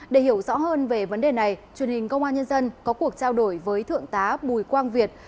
để hiểu rõ hơn về vấn đề này truyền hình công an nhân dân có cuộc trao đổi với thượng tá bùi quang việt